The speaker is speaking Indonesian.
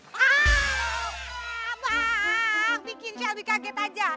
bang bikin shelby kaget aja